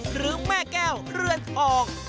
หรือแม่แก้วเรือนทอง